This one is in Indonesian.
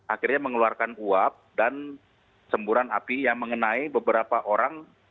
akhirnya mengeluarkan uap dan semburan api yang mengenai beberapa orang